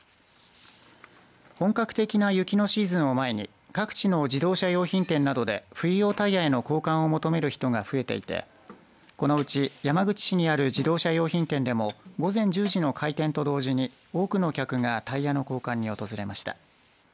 本格的な雪のシーズンを前に各地の自動車用品店などで冬用タイヤへの交換を求める人が増えていてこのうち山口市にある自動車用品店でも午前１０時の開店と同時に多くの客がタイヤの交換に訪れました。